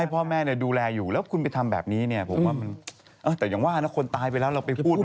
เพราะฉะนั้นอาการก็ยังโคม่าอยู่